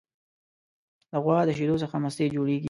د غوا د شیدو څخه مستې جوړیږي.